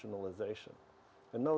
anda sangat terbuka